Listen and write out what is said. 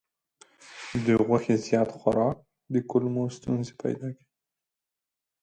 د غوښې زیات خوراک د کولمو ستونزې پیدا کوي.